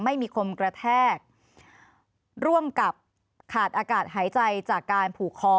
ไม่มีคมกระแทกร่วมกับขาดอากาศหายใจจากการผูกคอ